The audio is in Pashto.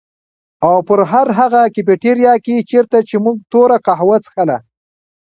او په هر هغه کيفېټيريا کي چيرته چي مونږ توره کهوه څښله